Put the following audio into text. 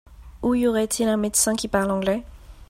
Où y aurait-il un médecin qui parle anglais ?